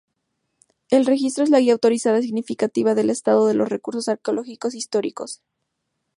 El Registro es la guía autorizada significativa del estado de los recursos arqueológicos históricos.